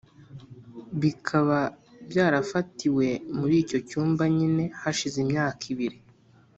bikaba byarafatiwe muri icyo cyumba nyine, hashize imyaka ibiri;